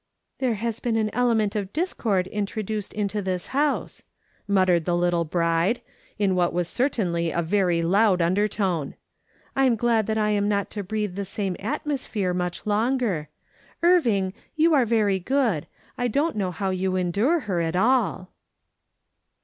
" There has been an element of discord introduced into this house," muttered the little bride, in what was certainly a very loud undertone. " I'm glad that I am not to breathe the same atmosphere much longer. Irving, you are very good ; I don't know how you endure her at all."